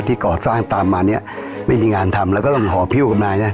ก่อสร้างตามมาเนี้ยไม่มีงานทำแล้วก็ต้องหอพิวกันมาใช่ไหม